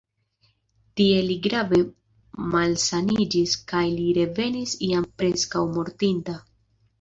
Tie li grave malsaniĝis kaj li revenis jam preskaŭ mortinta.